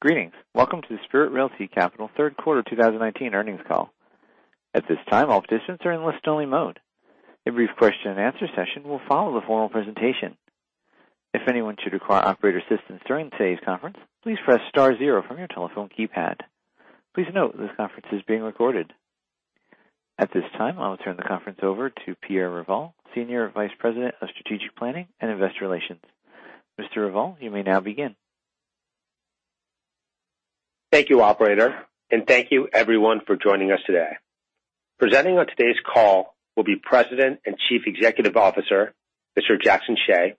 Greetings. Welcome to the Spirit Realty Capital third quarter 2019 earnings call. At this time, all participants are in listen only mode. A brief question and answer session will follow the formal presentation. If anyone should require operator assistance during today's conference, please press star zero from your telephone keypad. Please note this conference is being recorded. At this time, I will turn the conference over to Pierre Revol, Senior Vice President of Strategic Planning and Investor Relations. Mr. Revol, you may now begin. Thank you, operator, and thank you everyone for joining us today. Presenting on today's call will be President and Chief Executive Officer, Mr. Jackson Hsieh,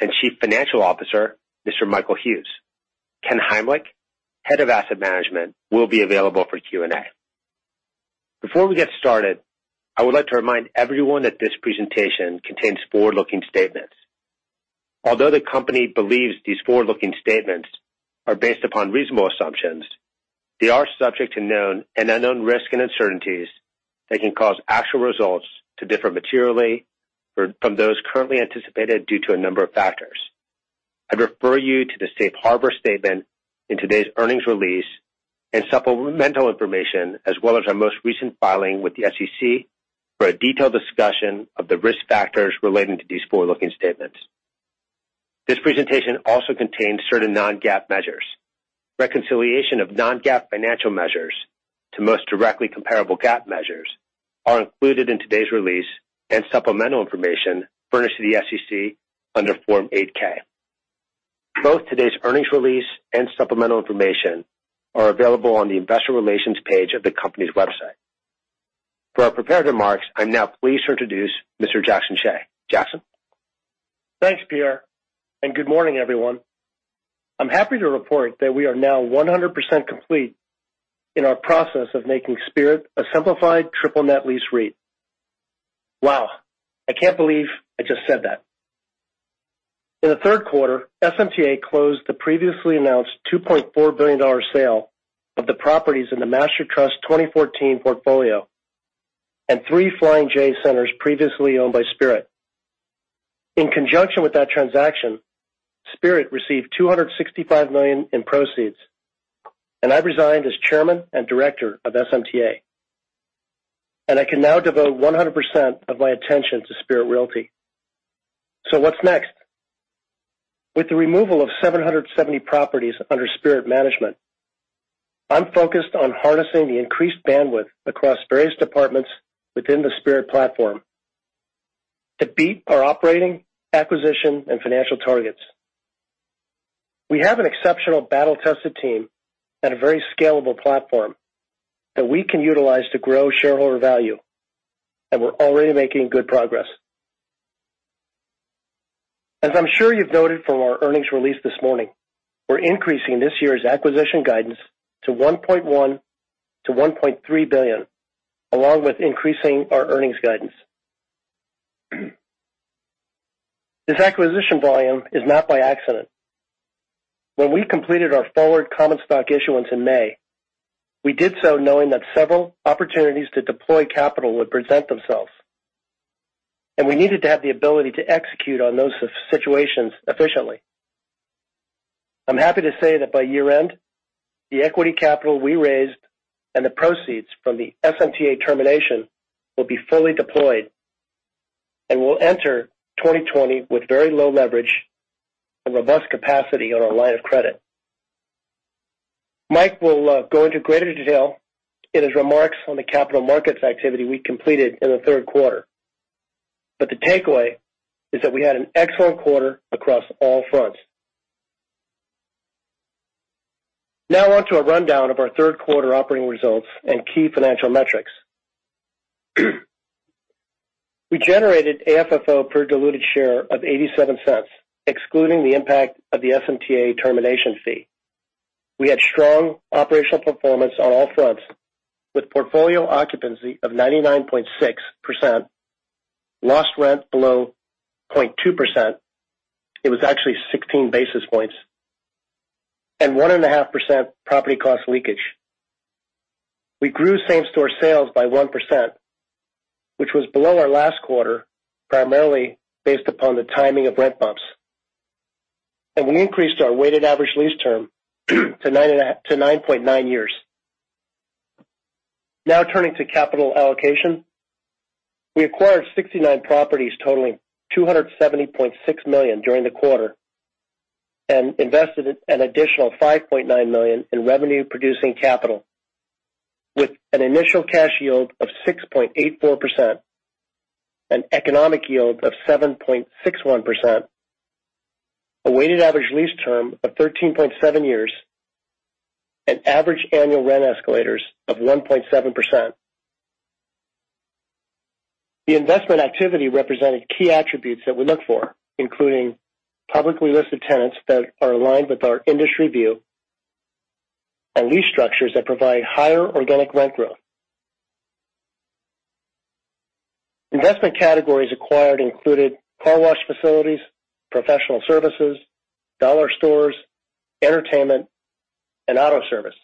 and Chief Financial Officer, Mr. Michael Hughes. Ken Heimlich, Head of Asset Management, will be available for Q&A. Before we get started, I would like to remind everyone that this presentation contains forward-looking statements. Although the company believes these forward-looking statements are based upon reasonable assumptions, they are subject to known and unknown risks and uncertainties that can cause actual results to differ materially from those currently anticipated due to a number of factors. I refer you to the safe harbor statement in today's earnings release and supplemental information, as well as our most recent filing with the SEC for a detailed discussion of the risk factors relating to these forward-looking statements. This presentation also contains certain non-GAAP measures. Reconciliation of non-GAAP financial measures to most directly comparable GAAP measures are included in today's release and supplemental information furnished to the SEC under Form 8-K. Both today's earnings release and supplemental information are available on the investor relations page of the company's website. For our prepared remarks, I'm now pleased to introduce Mr. Jackson Hsieh. Jackson? Thanks, Pierre, and good morning, everyone. I'm happy to report that we are now 100% complete in our process of making Spirit a simplified triple net lease REIT. Wow. I can't believe I just said that. In the third quarter, SMTA closed the previously announced $2.4 billion sale of the properties in the Master Trust 2014 portfolio and three Flying J centers previously owned by Spirit. In conjunction with that transaction, Spirit received $265 million in proceeds, and I resigned as chairman and director of SMTA, and I can now devote 100% of my attention to Spirit Realty. What's next? With the removal of 770 properties under Spirit management, I'm focused on harnessing the increased bandwidth across various departments within the Spirit platform to beat our operating, acquisition, and financial targets. We have an exceptional battle-tested team and a very scalable platform that we can utilize to grow shareholder value, and we're already making good progress. As I'm sure you've noted from our earnings release this morning, we're increasing this year's acquisition guidance to $1.1 billion-$1.3 billion, along with increasing our earnings guidance. This acquisition volume is not by accident. When we completed our forward common stock issuance in May, we did so knowing that several opportunities to deploy capital would present themselves, and we needed to have the ability to execute on those situations efficiently. I'm happy to say that by year-end, the equity capital we raised and the proceeds from the SMTA termination will be fully deployed, and we'll enter 2020 with very low leverage and robust capacity on our line of credit. Mike will go into greater detail in his remarks on the capital markets activity we completed in the third quarter. The takeaway is that we had an excellent quarter across all fronts. On to a rundown of our third quarter operating results and key financial metrics. We generated AFFO per diluted share of $0.87, excluding the impact of the SMTA termination fee. We had strong operational performance on all fronts with portfolio occupancy of 99.6%, lost rent below 0.2%, it was actually 16 basis points, and 1.5% property cost leakage. We grew same-store sales by 1%, which was below our last quarter, primarily based upon the timing of rent bumps. We increased our weighted average lease term to 9.9 years. Turning to capital allocation. We acquired 69 properties totaling $270.6 million during the quarter and invested an additional $5.9 million in revenue-producing capital with an initial cash yield of 6.84%, an economic yield of 7.61%, a weighted average lease term of 13.7 years, and average annual rent escalators of 1.7%. The investment activity represented key attributes that we look for, including publicly listed tenants that are aligned with our industry view and lease structures that provide higher organic rent growth. Investment categories acquired included car wash facilities, professional services, dollar stores, entertainment, and auto service.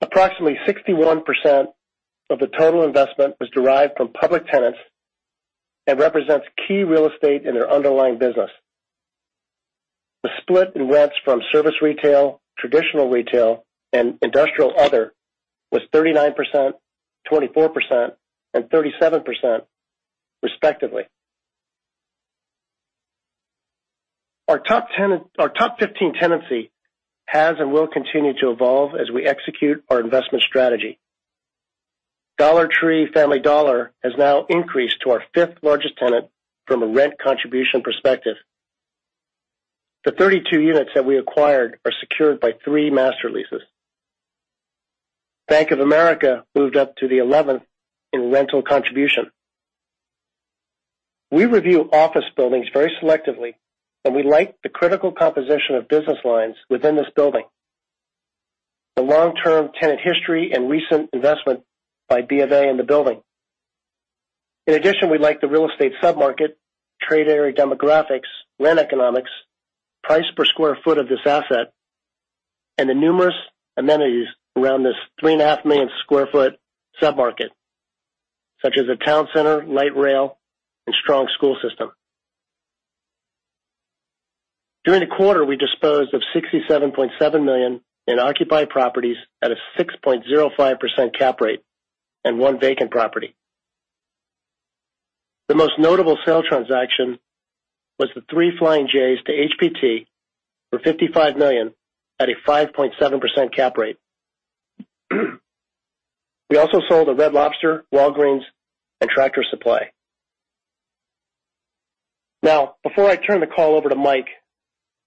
Approximately 61% of the total investment was derived from public tenants and represents key real estate in their underlying business. The split in rents from service retail, traditional retail, and industrial other was 39%, 24%, and 37%, respectively. Our top 15 tenancy has and will continue to evolve as we execute our investment strategy. Dollar Tree/Family Dollar has now increased to our fifth largest tenant from a rent contribution perspective. The 32 units that we acquired are secured by three master leases. Bank of America moved up to the 11th in rental contribution. We review office buildings very selectively, and we like the critical composition of business lines within this building, the long-term tenant history and recent investment by B of A in the building. In addition, we like the real estate submarket, trade area demographics, rent economics, price per square foot of this asset, and the numerous amenities around this three and a half million square foot submarket, such as a town center, light rail, and strong school system. During the quarter, we disposed of $67.7 million in occupied properties at a 6.05% cap rate and one vacant property. The most notable sale transaction was the three Flying J's to HPT for $55 million at a 5.7% cap rate. We also sold the Red Lobster, Walgreens, and Tractor Supply. Before I turn the call over to Mike,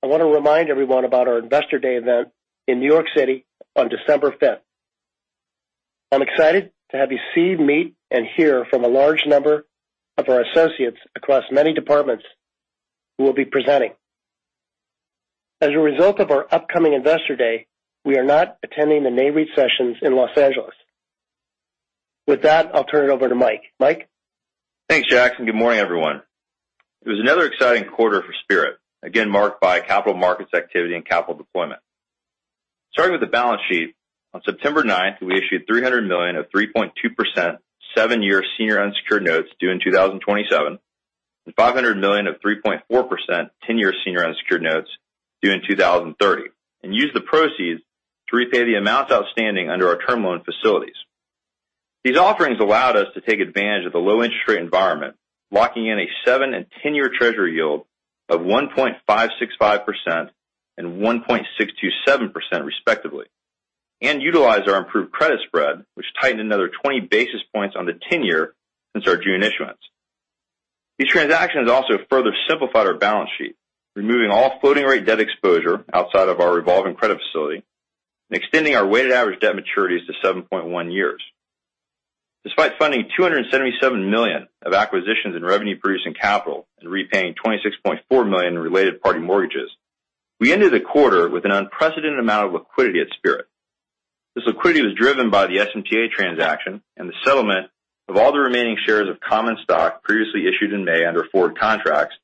I want to remind everyone about our Investor Day event in New York City on December 5th. I'm excited to have you see, meet, and hear from a large number of our associates across many departments who will be presenting. As a result of our upcoming Investor Day, we are not attending the Nareit sessions in Los Angeles. With that, I'll turn it over to Mike. Mike? Thanks, Jackson. Good morning, everyone. It was another exciting quarter for Spirit, again marked by capital markets activity and capital deployment. Starting with the balance sheet, on September 9th, we issued $300 million of 3.2% 7-year senior unsecured notes due in 2027 and $500 million of 3.4% 10-year senior unsecured notes due in 2030 and used the proceeds to repay the amounts outstanding under our term loan facilities. These offerings allowed us to take advantage of the low interest rate environment, locking in a seven and 10-year Treasury yield of 1.565% and 1.627%, respectively, and utilize our improved credit spread, which tightened another 20 basis points on the 10-year since our June issuance. These transactions also further simplified our balance sheet, removing all floating rate debt exposure outside of our revolving credit facility and extending our weighted average debt maturities to 7.1 years. Despite funding $277 million of acquisitions in revenue-producing capital and repaying $26.4 million in related party mortgages, we ended the quarter with an unprecedented amount of liquidity at Spirit. This liquidity was driven by the SMTA transaction and the settlement of all the remaining shares of common stock previously issued in May under forward contracts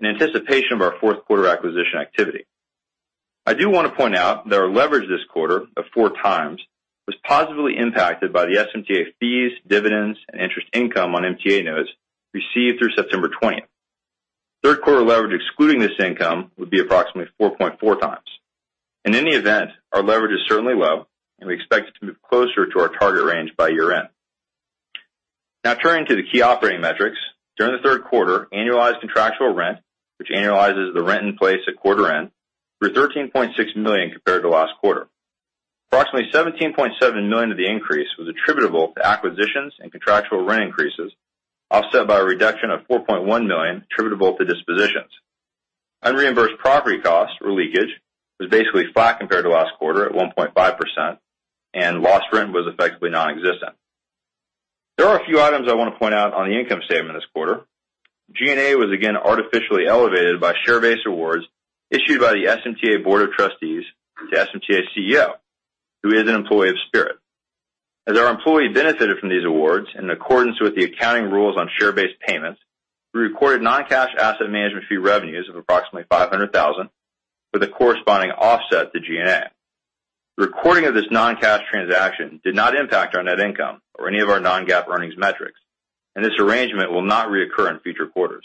in anticipation of our fourth quarter acquisition activity. I do want to point out that our leverage this quarter of 4x was positively impacted by the SMTA fees, dividends, and interest income on SMTA notes received through September 20th. Third quarter leverage excluding this income would be approximately 4.4x. In any event, our leverage is certainly low, and we expect it to move closer to our target range by year-end. Turning to the key operating metrics. During the third quarter, annualized contractual rent, which annualizes the rent in place at quarter end, grew to $13.6 million compared to last quarter. Approximately $17.7 million of the increase was attributable to acquisitions and contractual rent increases, offset by a reduction of $4.1 million attributable to dispositions. Unreimbursed property costs or leakage was basically flat compared to last quarter at 1.5%, and lost rent was effectively non-existent. There are a few items I want to point out on the income statement this quarter. G&A was again artificially elevated by share-based awards issued by the SMTA Board of Trustees to SMTA's CEO, who is an employee of Spirit. As our employee benefited from these awards in accordance with the accounting rules on share-based payments, we recorded non-cash asset management fee revenues of approximately $500,000 with a corresponding offset to G&A. The recording of this non-cash transaction did not impact our net income or any of our non-GAAP earnings metrics, and this arrangement will not reoccur in future quarters.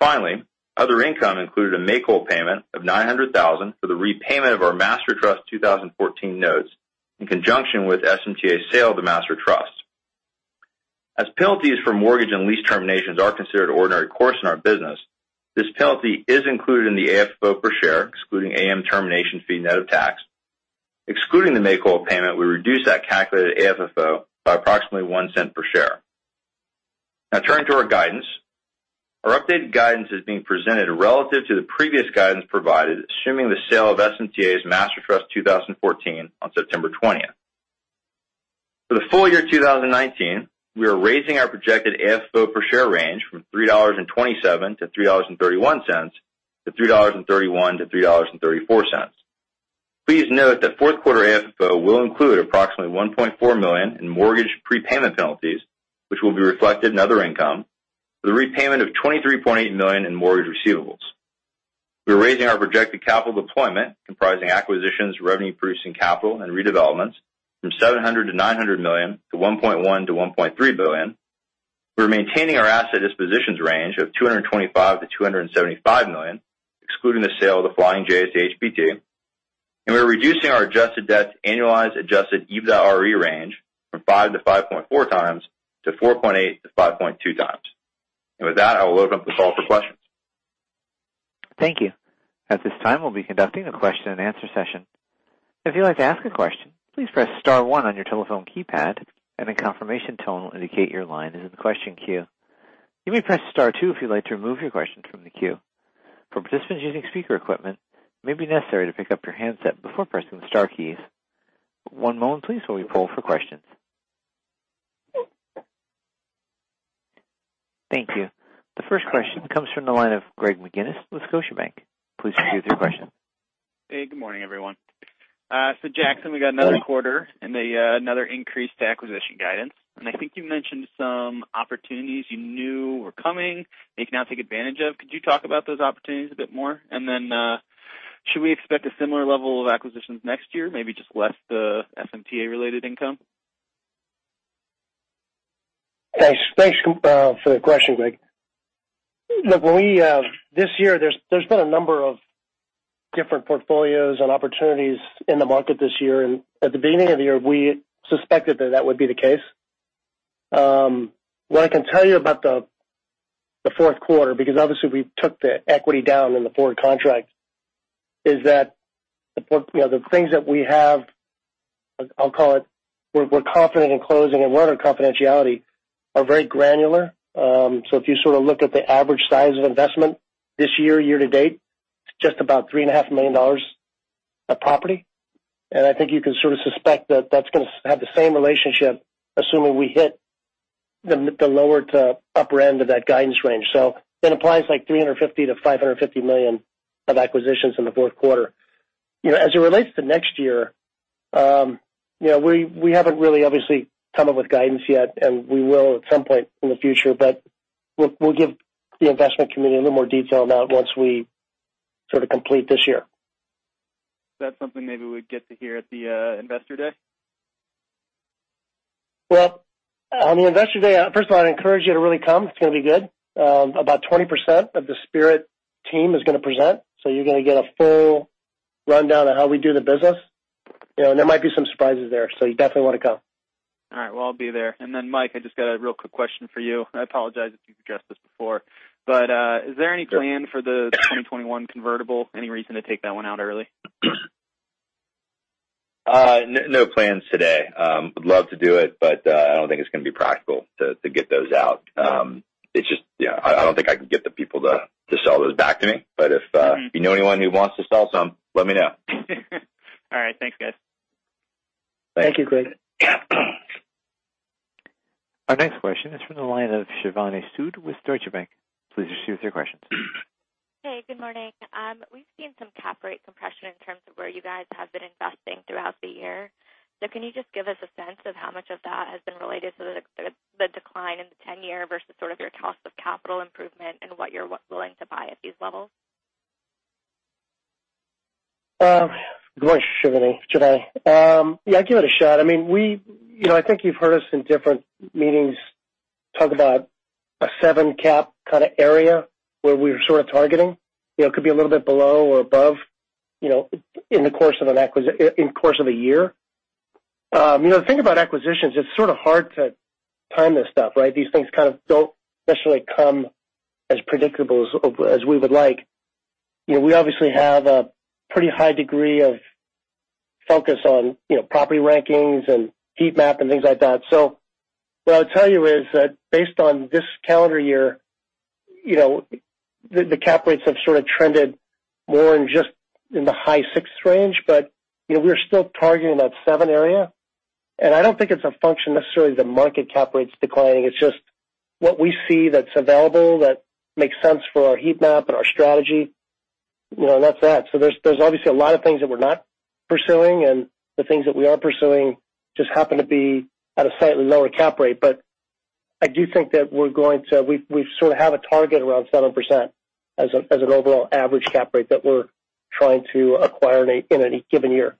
Finally, other income included a make-whole payment of $900,000 for the repayment of our Master Trust 2014 notes in conjunction with SMTA's sale of the Master Trust. As penalties for mortgage and lease terminations are considered ordinary course in our business, this penalty is included in the AFFO per share, excluding AM termination fee net of tax. Excluding the make-whole payment, we reduce that calculated AFFO by approximately $0.01 per share. Now turning to our guidance. Our updated guidance is being presented relative to the previous guidance provided, assuming the sale of SMTA's Master Trust 2014 on September 20th. For the full year 2019, we are raising our projected AFFO per share range from $3.27 to $3.31 to $3.31 to $3.34. Please note that fourth quarter AFFO will include approximately $1.4 million in mortgage prepayment penalties, which will be reflected in other income for the repayment of $23.8 million in mortgage receivables. We're raising our projected capital deployment, comprising acquisitions, revenue producing capital, and redevelopments from $700 million-$900 million to $1.1 billion-$1.3 billion. We're maintaining our asset dispositions range of $225 million-$275 million, excluding the sale of the Flying J to HPT. We're reducing our adjusted debt to annualized adjusted EBITDAre range from 5.0x-5.4x to 4.8x-5.2x. With that, I will open up the call for questions. Thank you. At this time, we'll be conducting a question and answer session. If you'd like to ask a question, please press star one on your telephone keypad, and a confirmation tone will indicate your line is in the question queue. You may press star two if you'd like to remove your question from the queue. For participants using speaker equipment, it may be necessary to pick up your handset before pressing the star keys. One moment please, while we poll for questions. Thank you. The first question comes from the line of Greg McGinniss with Scotiabank. Please proceed with your question. Hey, good morning, everyone. Jackson, we got another quarter and another increased acquisition guidance. I think you mentioned some opportunities you knew were coming that you can now take advantage of. Could you talk about those opportunities a bit more? Should we expect a similar level of acquisitions next year, maybe just less the SMTA related income? Thanks for the question, Greg. Look, this year, there's been a number of different portfolios and opportunities in the market this year. At the beginning of the year, we suspected that that would be the case. What I can tell you about the fourth quarter, because obviously we took the equity down in the forward contract, is that the things that we have, I'll call it, we're confident in closing and under confidentiality are very granular. If you sort of look at the average size of investment this year to date, it's just about $3.5 million a property. I think you can sort of suspect that that's going to have the same relationship, assuming we hit the lower to upper end of that guidance range. It implies like $350 million-$550 million of acquisitions in the fourth quarter. As it relates to next year, we haven't really obviously come up with guidance yet, and we will at some point in the future, but we'll give the investment committee a little more detail on that once we sort of complete this year. Is that something maybe we'd get to hear at the Investor Day? Well, on the Investor Day, first of all, I'd encourage you to really come. It's going to be good. About 20% of the Spirit team is going to present. You're going to get a full rundown of how we do the business. There might be some surprises there, so you definitely want to come. All right. Well, I'll be there. Mike, I just got a real quick question for you. I apologize if you've addressed this before, is there any plan for the 2021 convertible? Any reason to take that one out early? No plans today. Would love to do it, but I don't think it's going to be practical to get those out. I don't think I can get the people to sell those back to me. If you know anyone who wants to sell some, let me know. All right. Thanks, guys. Thank you, Greg. Our next question is from the line of Shivani Sood with Deutsche Bank. Please proceed with your questions. Hey, good morning. We've seen some cap rate compression in terms of where you guys have been investing throughout the year. Can you just give us a sense of how much of that has been related to the decline in the 10 year versus sort of your cost of capital improvement and what you're willing to buy at these levels? Good morning, Shivani. I'll give it a shot. I think you've heard us in different meetings talk about a seven cap kind of area where we're sort of targeting. It could be a little bit below or above in course of a year. The thing about acquisitions, it's sort of hard to time this stuff, right? These things kind of don't necessarily come as predictable as we would like. We obviously have a pretty high degree of focus on property rankings and heat map and things like that. What I'll tell you is that based on this calendar year, the cap rates have sort of trended more in just in the high six range, but we're still targeting that seven area. I don't think it's a function necessarily of the market cap rates declining. It's just what we see that's available that makes sense for our heat map and our strategy. That's that. There's obviously a lot of things that we're not pursuing, and the things that we are pursuing just happen to be at a slightly lower cap rate. I do think that we sort of have a target around 7% as an overall average cap rate that we're trying to acquire in any given year.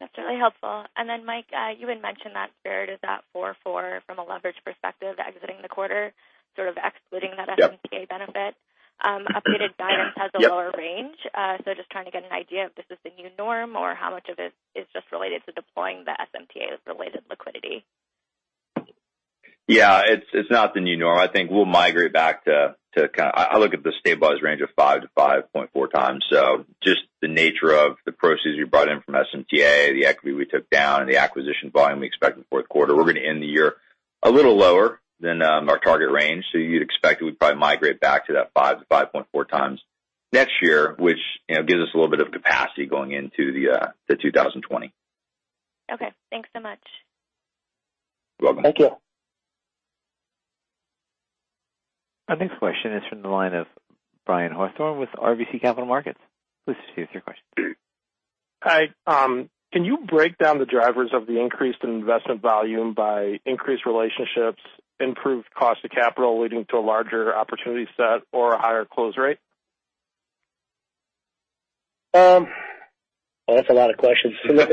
That's really helpful. Mike, you had mentioned that Spirit is at 4.4 from a leverage perspective exiting the quarter, sort of excluding that SMTA benefit. Yep. Upgraded guidance has a lower range. Just trying to get an idea if this is the new norm or how much of it is just related to deploying the SMTA's related liquidity. Yeah, it's not the new norm. I think we'll migrate back. I look at the stabilized range of 5x-5.4x. Just the nature of the proceeds we brought in from SMTA, the equity we took down, and the acquisition volume we expect in the fourth quarter. We're going to end the year a little lower than our target range. You'd expect that we'd probably migrate back to that 5x-5.4x next year, which gives us a little bit of capacity going into 2020. Okay. Thanks so much. You're welcome. Thank you. Our next question is from the line of Brian Hawthorne with RBC Capital Markets. Please proceed with your question. Hi. Can you break down the drivers of the increase in investment volume by increased relationships, improved cost of capital leading to a larger opportunity set or a higher close rate? That's a lot of questions. First,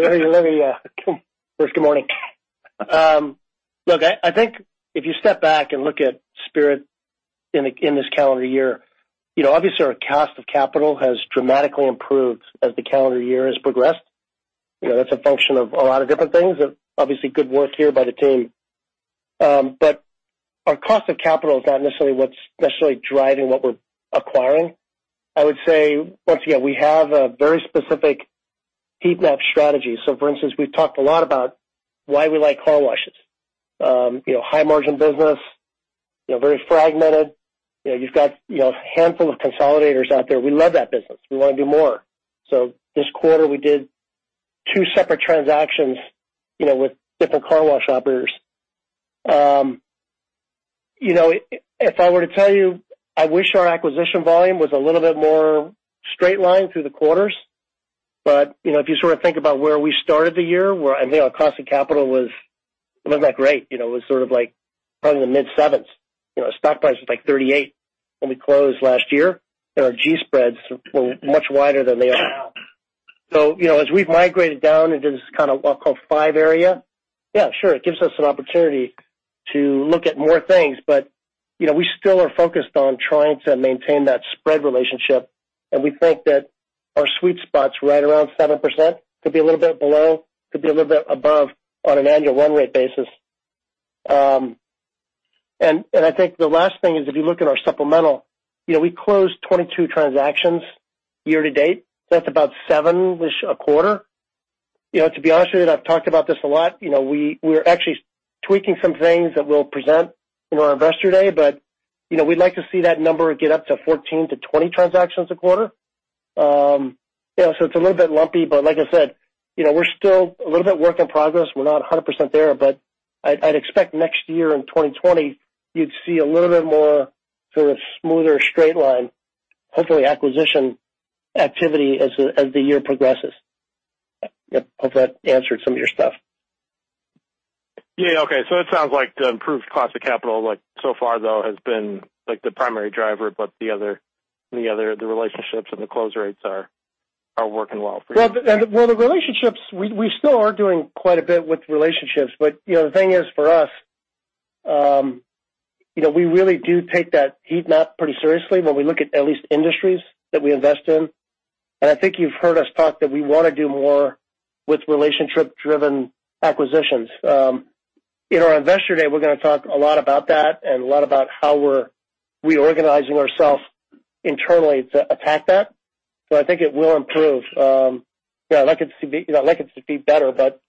good morning. Look, I think if you step back and look at Spirit in this calendar year, obviously our cost of capital has dramatically improved as the calendar year has progressed. That's a function of a lot of different things, obviously good work here by the team. Our cost of capital is not necessarily what's driving what we're acquiring. I would say, once again, we have a very specific heat map strategy. For instance, we've talked a lot about why we like car washes. High margin business, very fragmented. You've got a handful of consolidators out there. We love that business. We want to do more. This quarter, we did two separate transactions with different car wash operators. If I were to tell you, I wish our acquisition volume was a little bit more straight line through the quarters, if you sort of think about where we started the year, where our cost of capital was not that great, it was sort of like probably in the mid 7s. Stock price was like $38 when we closed last year, our G-spreads were much wider than they are now. As we've migrated down into this kind of what I'll call five area, yeah, sure, it gives us an opportunity to look at more things. We still are focused on trying to maintain that spread relationship, and we think that our sweet spot's right around 7%, could be a little bit below, could be a little bit above, on an annual run rate basis. I think the last thing is, if you look at our supplemental, we closed 22 transactions year to date. That's about seven-ish a quarter. To be honest with you, and I've talked about this a lot, we're actually tweaking some things that we'll present in our Investor Day, but we'd like to see that number get up to 14-20 transactions a quarter. It's a little bit lumpy, but like I said, we're still a little bit work in progress. We're not 100% there, but I'd expect next year in 2020, you'd see a little bit more sort of smoother straight line, hopefully acquisition activity as the year progresses. Hope that answered some of your stuff. Yeah. Okay. It sounds like the improved cost of capital, so far though, has been the primary driver, but the other relationships and the close rates are working well for you. Well, the relationships, we still are doing quite a bit with relationships. The thing is, for us, we really do take that heat map pretty seriously when we look at at least industries that we invest in. I think you've heard us talk that we want to do more with relationship-driven acquisitions. In our Investor Day, we're going to talk a lot about that and a lot about how we're reorganizing ourselves internally to attack that. I think it will improve. I'd like it to be better, but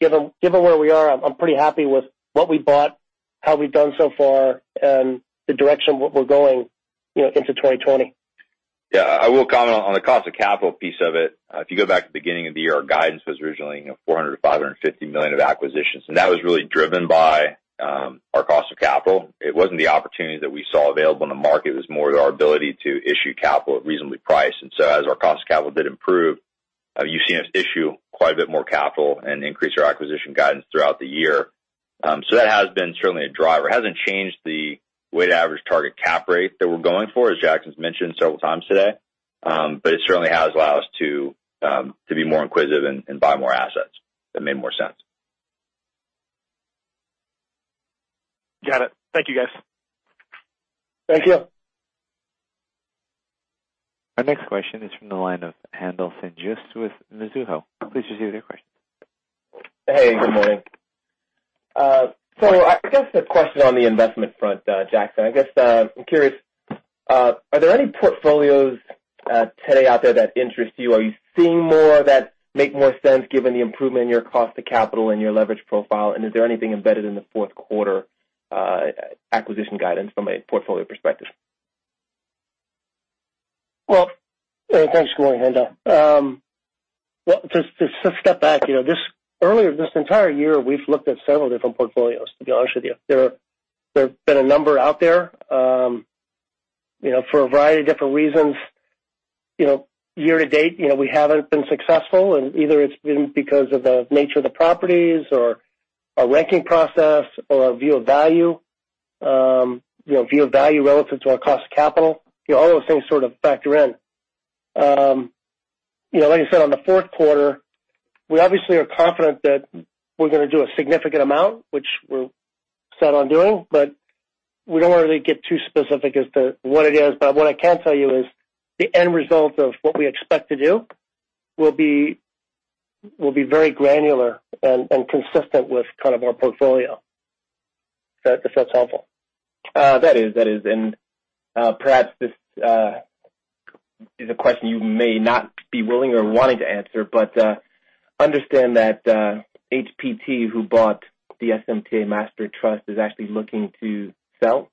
given where we are, I'm pretty happy with what we bought, how we've done so far, and the direction we're going into 2020. Yeah. I will comment on the cost of capital piece of it. If you go back to the beginning of the year, our guidance was originally $400 million-$550 million of acquisitions. That was really driven by our cost of capital. It wasn't the opportunities that we saw available in the market, it was more our ability to issue capital at reasonably priced. As our cost of capital did improve, you've seen us issue quite a bit more capital and increase our acquisition guidance throughout the year. That has been certainly a driver. It hasn't changed the weighted average target cap rate that we're going for, as Jackson's mentioned several times today. It certainly has allowed us to be more inquisitive and buy more assets that made more sense. Got it. Thank you, guys. Thank you. Our next question is from the line of Haendel St. Juste with Mizuho. Please proceed with your question. Hey, good morning. I guess a question on the investment front, Jackson. I guess I'm curious, are there any portfolios today out there that interest you? Are you seeing more that make more sense given the improvement in your cost of capital and your leverage profile? Is there anything embedded in the fourth quarter acquisition guidance from a portfolio perspective? Thanks. Good morning, Haendel. To step back, earlier this entire year, we've looked at several different portfolios, to be honest with you. There have been a number out there. For a variety of different reasons, year-to-date we haven't been successful, and either it's been because of the nature of the properties or our ranking process or our view of value, view of value relative to our cost of capital. All those things sort of factor in. Like I said, on the fourth quarter, we obviously are confident that we're going to do a significant amount, which we're set on doing, but we don't want to get too specific as to what it is. What I can tell you is the end result of what we expect to do will be very granular and consistent with kind of our portfolio. If that's helpful. That is. Perhaps this is a question you may not be willing or wanting to answer, but I understand that HPT, who bought the SMTA Master Trust, is actually looking to sell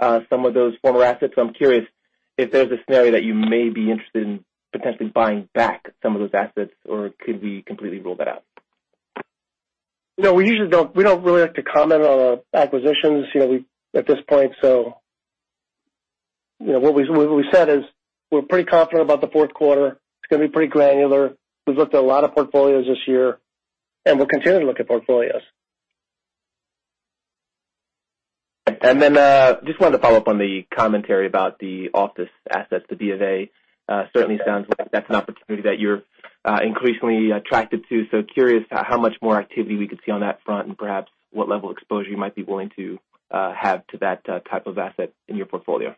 some of those former assets. I'm curious if there's a scenario that you may be interested in potentially buying back some of those assets, or could we completely rule that out? We don't really like to comment on our acquisitions at this point. What we said is we're pretty confident about the fourth quarter. It's going to be pretty granular. We've looked at a lot of portfolios this year, and we'll continue to look at portfolios. Just wanted to follow up on the commentary about the office assets, the BofA. Certainly sounds like that's an opportunity that you're increasingly attracted to. Curious how much more activity we could see on that front, and perhaps what level of exposure you might be willing to have to that type of asset in your portfolio.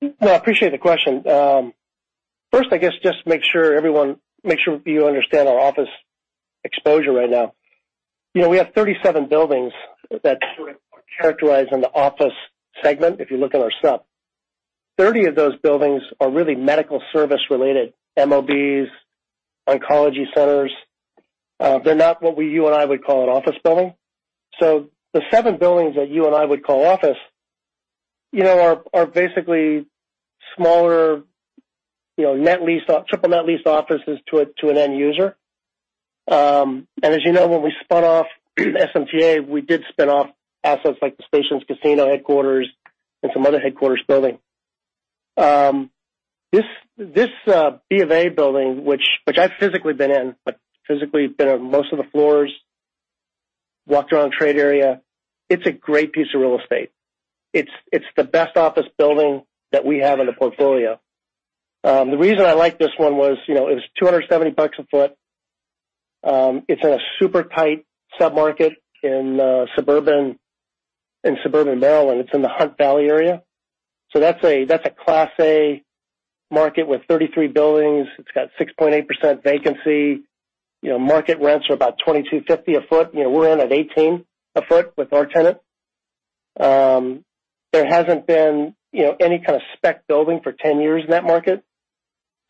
Well, I appreciate the question. First, I guess, just to make sure you understand our office exposure right now. We have 37 buildings that sort of characterize in the office segment, if you look at our sup. 30 of those buildings are really medical service-related, MOBs, oncology centers. They're not what you and I would call an office building. The seven buildings that you and I would call office are basically smaller, triple net leased offices to an end user. As you know, when we spun off SMTA, we did spin off assets like the Station Casinos headquarters and some other headquarters building. This BofA building, which I've physically been in, but physically been on most of the floors, walked around the trade area, it's a great piece of real estate. It's the best office building that we have in the portfolio. The reason I liked this one was, it was $270 a foot. It's in a super tight sub-market in suburban Maryland. It's in the Hunt Valley area. That's a Class A market with 33 buildings. It's got 6.8% vacancy. Market rents are about $22.50 a foot. We're in at $18 a foot with our tenant. There hasn't been any kind of spec building for 10 years in that market,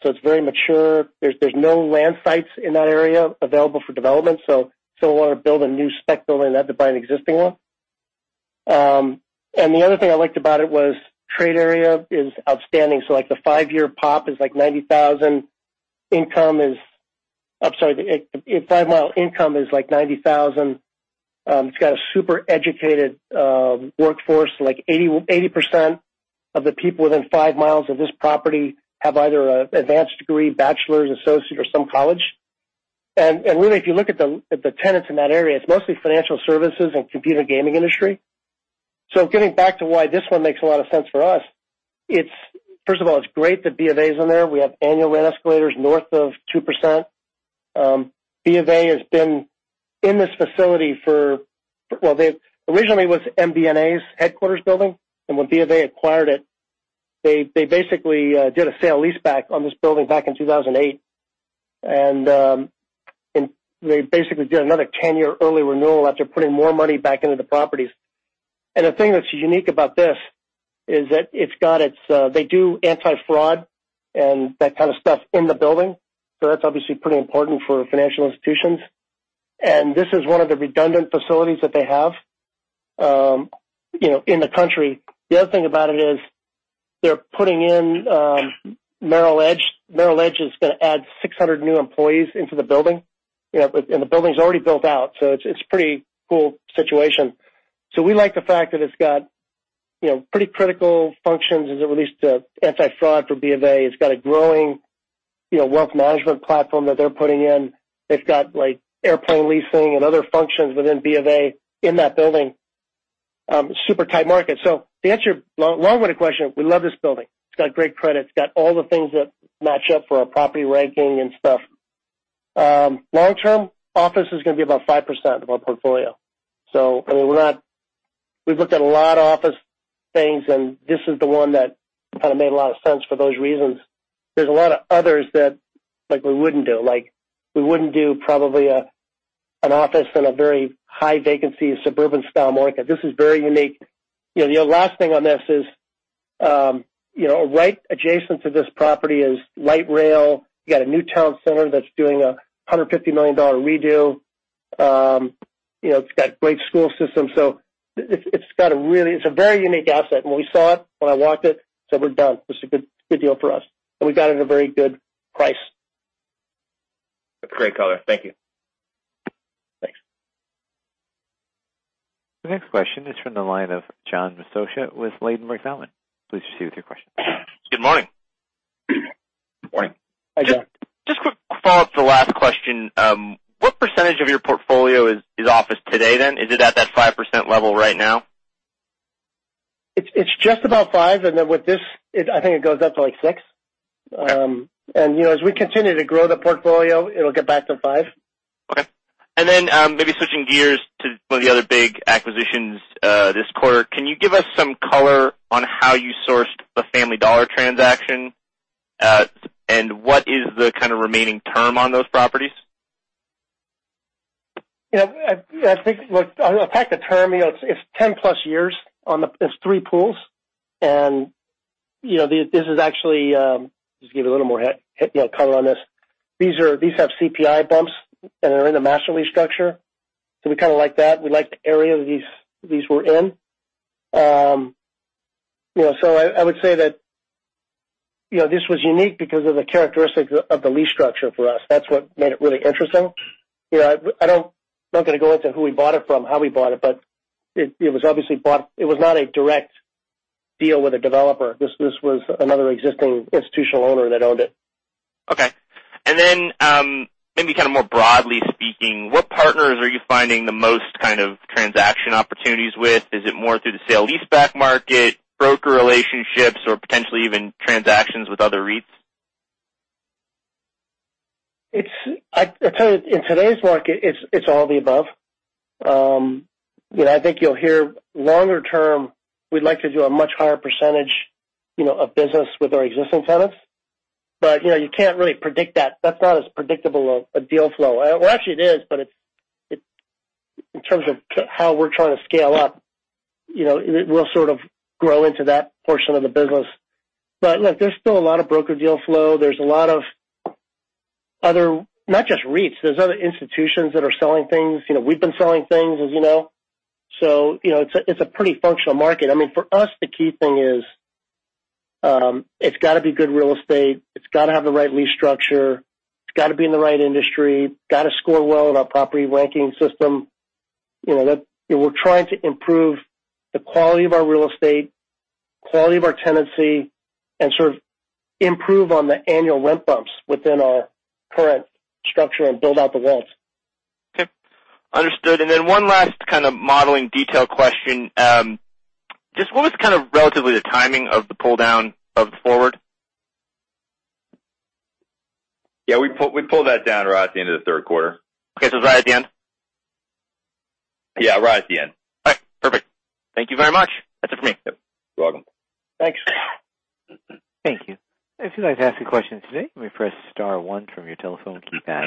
so it's very mature. There's no land sites in that area available for development, so if someone wanted to build a new spec building, they'd have to buy an existing one. The other thing I liked about it was trade area is outstanding. Like, the 5-year pop is like $90,000. The 5-mile income is like $90,000. It's got a super educated workforce, like 80% of the people within 5 mi of this property have either an advanced degree, bachelor's, associate, or some college. Really, if you look at the tenants in that area, it's mostly financial services and computer gaming industry. Getting back to why this one makes a lot of sense for us, first of all, it's great that BofA's in there. We have annual rent escalators north of 2%. BofA has been in this facility for. Well, they originally was MBNA's headquarters building, and when BofA acquired it, they basically did a sale-leaseback on this building back in 2008. They basically did another 10-year early renewal after putting more money back into the properties. The thing that's unique about this is that it's got its. They do anti-fraud and that kind of stuff in the building. That's obviously pretty important for financial institutions. This is one of the redundant facilities that they have in the country. The other thing about it is they're putting in Merrill Edge. Merrill Edge is going to add 600 new employees into the building, and the building's already built out, so it's a pretty cool situation. We like the fact that it's got pretty critical functions as it relates to anti-fraud for BofA. It's got a growing wealth management platform that they're putting in. They've got airplane leasing and other functions within BofA in that building. Super tight market. To answer your long-winded question, we love this building. It's got great credit. It's got all the things that match up for our property ranking and stuff. Long-term, office is going to be about 5% of our portfolio. I mean, we've looked at a lot of office things, and this is the one that kind of made a lot of sense for those reasons. There's a lot of others that we wouldn't do. We wouldn't do probably an office in a very high-vacancy, suburban-style market. This is very unique. The last thing on this is right adjacent to this property is light rail. You got a new town center that's doing a $150 million redo. It's got great school systems, it's a very unique asset. When we saw it, when I walked it, said, "We're done." It's a good deal for us. We got it at a very good price. That's great color. Thank you. Thanks. The next question is from the line of John Massocca with Ladenburg Thalmann. Please proceed with your question. Good morning. Morning. Hi, John. Quick follow-up to the last question. What percentage of your portfolio is office today, then? Is it at that 5% level right now? It's just about 5%, and then with this, I think it goes up to 6%. Okay. As we continue to grow the portfolio, it'll get back to 5%. Okay. Maybe switching gears to one of the other big acquisitions this quarter. Can you give us some color on how you sourced the Family Dollar transaction? What is the kind of remaining term on those properties? I think, look, I'll attack the term. It's 10-plus years. There's three pools, and this is actually, just to give you a little more color on this. These have CPI bumps, and they're in a master lease structure. We kind of like that. We like the area that these were in. I would say that this was unique because of the characteristics of the lease structure for us. That's what made it really interesting. I'm not going to go into who we bought it from, how we bought it, but it was obviously bought It was not a direct deal with a developer. This was another existing institutional owner that owned it. Maybe kind of more broadly speaking, what partners are you finding the most kind of transaction opportunities with? Is it more through the sale-leaseback market, broker relationships, or potentially even transactions with other REITs? I tell you, in today's market, it's all the above. I think you'll hear longer term, we'd like to do a much higher percentage of business with our existing tenants. You can't really predict that. That's not as predictable a deal flow. Well, actually, it is, but in terms of how we're trying to scale up, it will sort of grow into that portion of the business. Look, there's still a lot of broker deal flow. There's a lot of other, not just REITs. There's other institutions that are selling things. We've been selling things, as you know. It's a pretty functional market. I mean, for us, the key thing is, it's got to be good real estate. It's got to have the right lease structure. It's got to be in the right industry. It's got to score well in our property ranking system. We're trying to improve the quality of our real estate, quality of our tenancy, and sort of improve on the annual rent bumps within our current structure and build out the walls. Okay. Understood. One last kind of modeling detail question. Just what was kind of relatively the timing of the pull-down of the forward? Yeah, we pulled that down right at the end of the third quarter. Okay. It was right at the end? Yeah, right at the end. All right. Perfect. Thank you very much. That's it for me. Yep. You're welcome. Thanks. Thank you. If you'd like to ask a question today, you may press star one from your telephone keypad.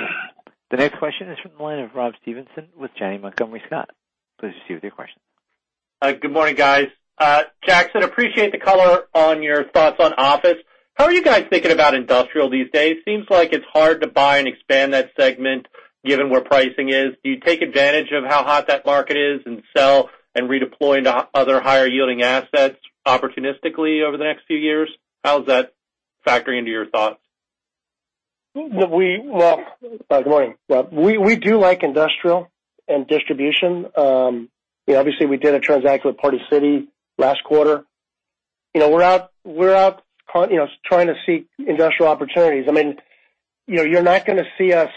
The next question is from the line of Rob Stevenson with Janney Montgomery Scott. Please proceed with your question. Good morning, guys. Jackson, appreciate the color on your thoughts on office. How are you guys thinking about industrial these days? Seems like it's hard to buy and expand that segment, given where pricing is. Do you take advantage of how hot that market is and sell and redeploy into other higher-yielding assets opportunistically over the next few years? How's that factoring into your thoughts? Well, good morning, Rob. We do like industrial and distribution. Obviously, we did a transaction with Party City last quarter. We're out trying to seek industrial opportunities. I mean, you're not going to see us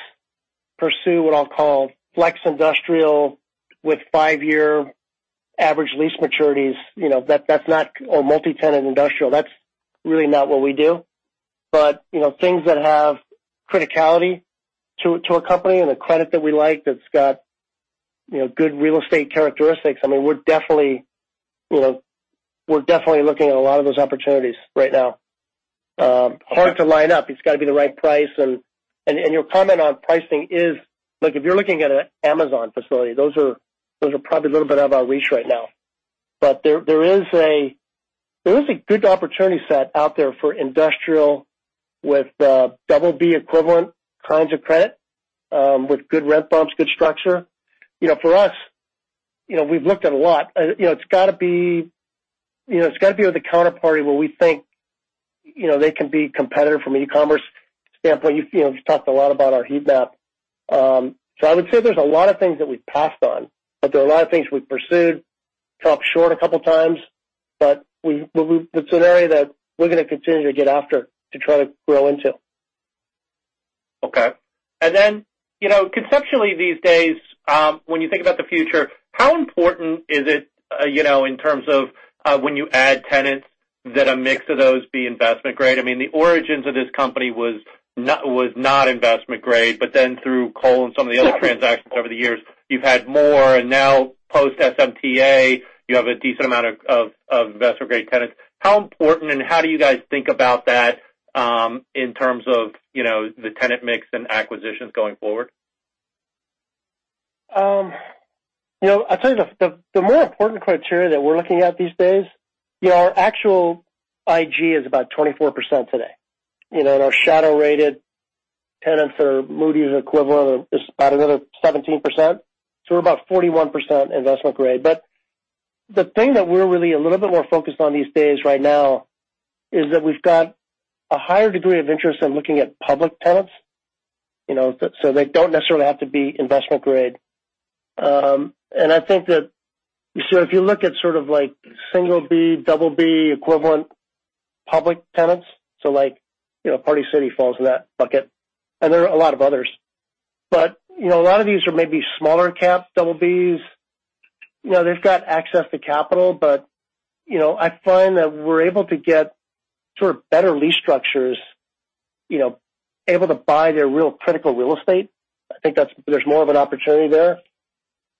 pursue what I'll call flex industrial with five-year average lease maturities, or multi-tenant industrial. That's really not what we do. Things that have criticality to a company and a credit that we like, that's got good real estate characteristics. I mean, we're definitely looking at a lot of those opportunities right now. Hard to line up. It's got to be the right price. Your comment on pricing is Look, if you're looking at an Amazon facility, those are probably a little bit out of our reach right now. There is a good opportunity set out there for industrial with BB equivalent kinds of credit, with good rent bumps, good structure. For us, we've looked at a lot. It's got to be with a counterparty where we think they can be competitive from an e-commerce standpoint. You've talked a lot about our heat map. I would say there's a lot of things that we've passed on. There are a lot of things we've pursued, come up short a couple of times. It's an area that we're going to continue to get after to try to grow into. Okay. Conceptually these days, when you think about the future, how important is it, in terms of when you add tenants, that a mix of those be investment-grade? I mean, the origins of this company was not investment-grade, through Cole and some of the other transactions over the years, you've had more. Post-SMTA, you have a decent amount of investment-grade tenants. How important, and how do you guys think about that in terms of the tenant mix and acquisitions going forward? I'll tell you, the more important criteria that we're looking at these days, our actual IG is about 24% today. Our shadow-rated tenants or Moody's equivalent is about another 17%. We're about 41% investment grade. The thing that we're really a little bit more focused on these days right now is that we've got a higher degree of interest in looking at public tenants. They don't necessarily have to be investment grade. I think that if you look at sort of like single B, double B equivalent public tenants, so like Party City falls in that bucket, and there are a lot of others. A lot of these are maybe smaller caps, double Bs. They've got access to capital, but I find that we're able to get sort of better lease structures, able to buy their real critical real estate. I think there's more of an opportunity there.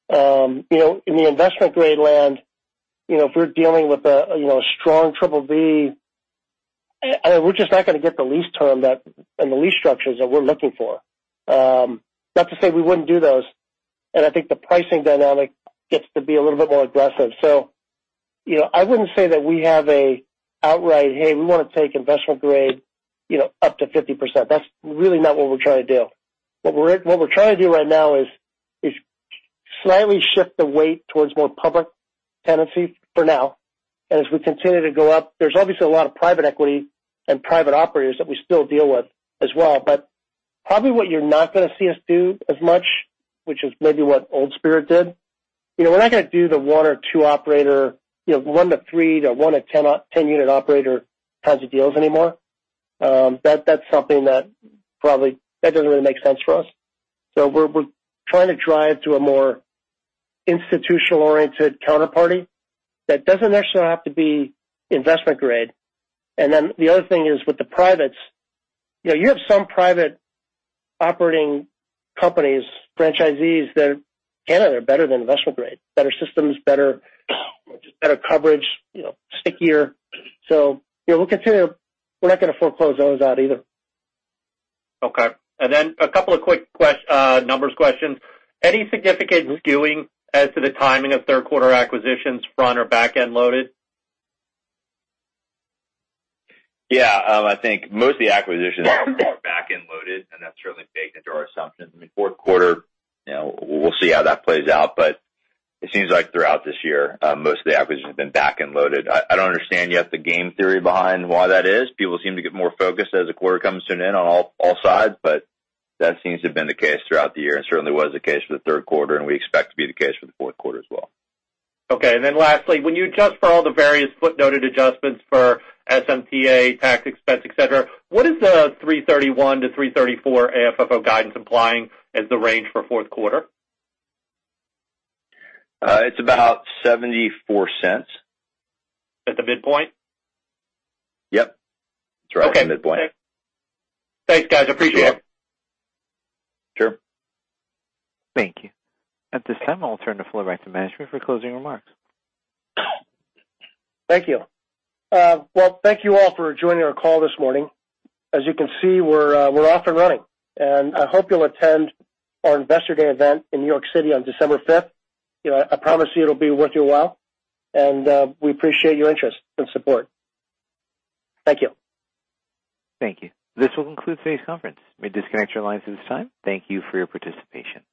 In the investment-grade land, if we're dealing with a strong BBB, we're just not going to get the lease term and the lease structures that we're looking for. Not to say we wouldn't do those. I think the pricing dynamic gets to be a little bit more aggressive. I wouldn't say that we have an outright, hey, we want to take investment-grade up to 50%. That's really not what we're trying to do. What we're trying to do right now is slightly shift the weight towards more public tenancy for now. As we continue to go up, there's obviously a lot of private equity and private operators that we still deal with as well. Probably what you're not going to see us do as much, which is maybe what old Spirit did, we're not going to do the one or two operator, one to three to one to 10 unit operator kinds of deals anymore. That's something that doesn't really make sense for us. We're trying to drive to a more institutional-oriented counterparty that doesn't necessarily have to be investment grade. Then the other thing is with the privates, you have some private operating companies, franchisees that can be better than investment grade. Better systems, better coverage, stickier. We're not going to foreclose those out either. Okay. A couple of quick numbers questions. Any significant skewing as to the timing of third quarter acquisitions, front or back-end loaded? Yeah. I think most of the acquisitions are back-end loaded, and that's certainly baked into our assumptions. Fourth quarter, we'll see how that plays out. It seems like throughout this year, most of the acquisitions have been back-end loaded. I don't understand yet the game theory behind why that is. People seem to get more focused as the quarter comes to an end on all sides. That seems to have been the case throughout the year, and certainly was the case for the third quarter, and we expect to be the case for the fourth quarter as well. Okay, lastly, when you adjust for all the various footnoted adjustments for SMTA, tax expense, et cetera, what is the $331-$334 AFFO guidance implying as the range for fourth quarter? It's about $0.74. At the midpoint? Yep. It's right at the midpoint. Okay. Thanks, guys, appreciate it. Sure. Thank you. At this time, I'll turn the floor back to management for closing remarks. Thank you. Well, thank you all for joining our call this morning. As you can see, we're off and running. I hope you'll attend our Investor Day event in New York City on December 5th. I promise you it'll be worth your while. We appreciate your interest and support. Thank you. Thank you. This will conclude today's conference. You may disconnect your lines at this time. Thank you for your participation.